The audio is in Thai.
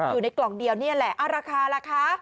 อยู่ในกล่องเดียวนี่แหละราคาล่ะคะ